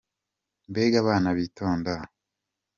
Mbega abana bitonda!